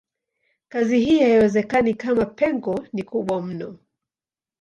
Kazi hii haiwezekani kama pengo ni kubwa mno.